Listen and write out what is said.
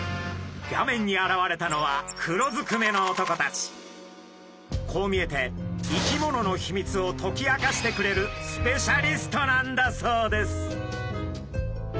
画面に現れたのはこう見えて生き物のヒミツを解き明かしてくれるスペシャリストなんだそうです。